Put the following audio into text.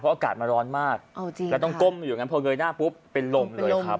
เพราะอากาศมาร้อนมากต้องก้มอยู่อย่างนั้นเพราะเมือหน้าปุ๊บเป็นลมเลยครับ